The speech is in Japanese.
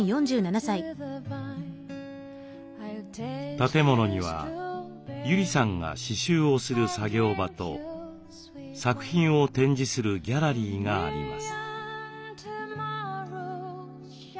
建物には友里さんが刺しゅうをする作業場と作品を展示するギャラリーがあります。